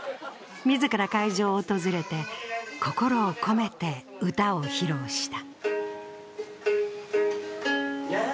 自ら会場を訪れて、心を込めて歌を披露した。